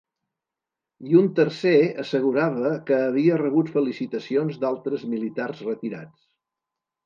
I un tercer assegurava que havia rebut felicitacions d’altres militars retirats.